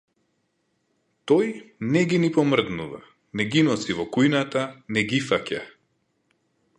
Тој не ги ни помрднува, не ги носи во кујната, не ги фаќа.